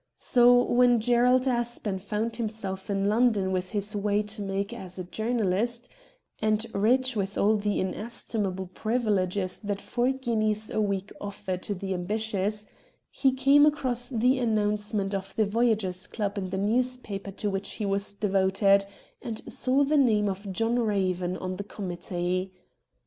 So when Gerald Aspen found himself in London with his way to make as a jour nalist, and rich with all the inestimable privi leges that four guineas a week offer to the ambitious, he came across the announcement of the Voyagers' Club in the newspaper to which he was devoted, and saw the name of John Eaven on the committee.